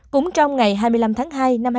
cũng trong ngày hai mươi năm tháng hai